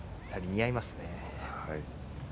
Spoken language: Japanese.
似合いますね。